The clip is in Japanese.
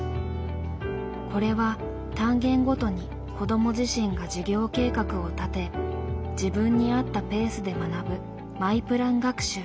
これは単元ごとに子ども自身が授業計画を立て自分に合ったペースで学ぶ「マイプラン学習」。